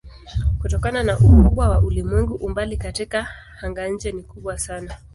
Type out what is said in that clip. Kutokana na ukubwa wa ulimwengu umbali katika anga-nje ni kubwa sana.